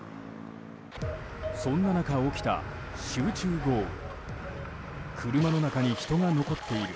そんな中、起きた集中豪雨。